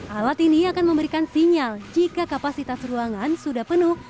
alat ini akan memberikan sinyal jika kapasitas ruangan sudah penuh